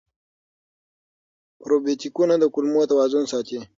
پروبیوتیکونه د کولمو توازن ساتي.